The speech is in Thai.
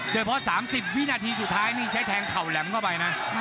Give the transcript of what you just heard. โดยเพราะ๓๐วินาทีสุดท้ายนี่ใช้แทงเข่าแหลมเข้าไปนะ